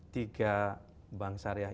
tiga bank syariah